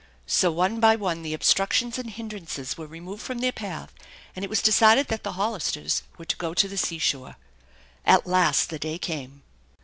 So one by one the obstructions and hindrances were removed .from their path, and it was decided that the Hoi listers were to go to the seashore. At last the day came.